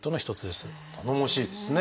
頼もしいですね。